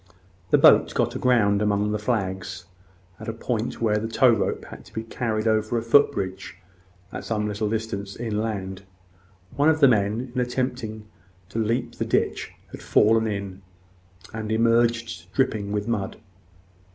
The boat got aground amongst the flags, at a point where the tow rope had to be carried over a foot bridge at some little distance inland. One of the men, in attempting to leap the ditch, had fallen in, and emerged dripping with mud.